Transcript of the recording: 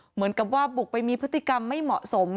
เหมือนกับว่าบุกไปมีพฤติกรรมไม่เหมาะสม